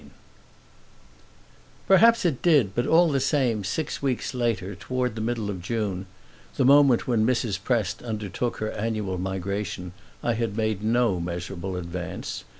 IV Perhaps it did, but all the same, six weeks later, toward the middle of June, the moment when Mrs. Prest undertook her annual migration, I had made no measurable advance.